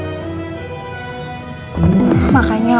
makanya aku ambil anak itu dan langsung kasih ke pantai asuhan